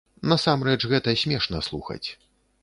Насамрэч гэта смешна слухаць.